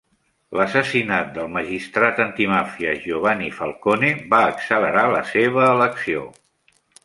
L'assassinat del magistrat antimàfia Giovanni Falcone va accelerar la seva elecció.